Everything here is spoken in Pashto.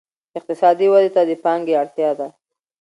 اقتصادي ودې ته د پانګې اړتیا ده.